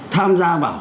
tham gia vào